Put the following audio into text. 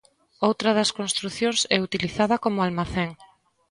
Outra das construcións é utilizada como almacén.